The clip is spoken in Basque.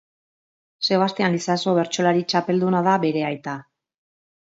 Sebastian Lizaso bertsolari txapelduna da bere aita.